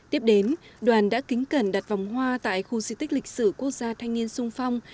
tiếp đến đoàn đã kính cẩn đặt vòng hoa tại khu di tích lịch sử quốc gia thanh niên sung phong